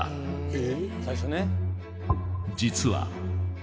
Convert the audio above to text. え！